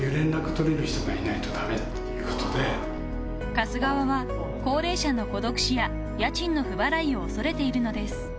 ［貸す側は高齢者の孤独死や家賃の不払いを恐れているのです］